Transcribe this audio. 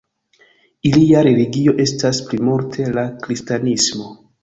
Ilia religio estas plimulte la kristanismo.